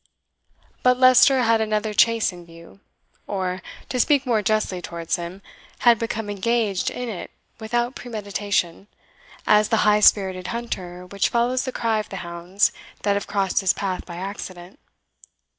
But Leicester had another chase in view or, to speak more justly towards him, had become engaged in it without premeditation, as the high spirited hunter which follows the cry of the hounds that have crossed his path by accident.